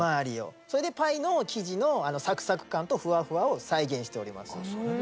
それでパイの生地のサクサク感とフワフワを再現しております。